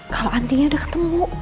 kalau antinya udah ketemu